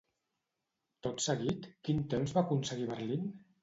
Tot seguit, quin temps va aconseguir a Berlín?